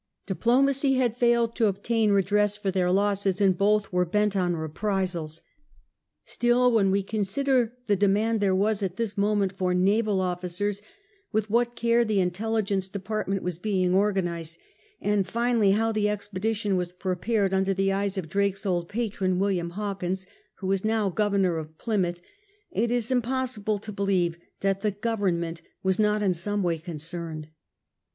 Diplomacy had failed to obtain redress for their losses, and both were bent on reprisals. Still, when we con sider the demand there was at this moment for naval officers, with what care the intelligence department was being organised, and finally how the expedition was pre pared under the eyes of Drake's old patron, William Hawkins, who was now Governor of Plymouth, it is im possible to believe thUt the Government was not in some way concerned.